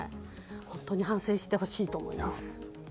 本当に反省してほしいと思います。